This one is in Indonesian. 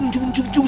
aku sudah jatuh